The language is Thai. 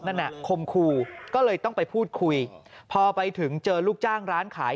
นั่นน่ะคมคู่ก็เลยต้องไปพูดคุยพอไปถึงเจอลูกจ้างร้านขาย